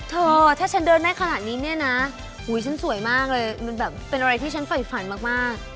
เธอถ้าฉันเดินได้ขนาดนี้เนี่ยนะฉันสวยมากเลยมันแบบเป็นอะไรที่ฉันไฟฝันมาก